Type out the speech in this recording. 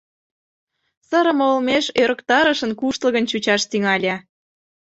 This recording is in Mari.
Сырыме олмеш ӧрыктарышын куштылгын чучаш тӱҥале: